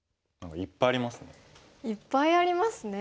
いっぱいありますね。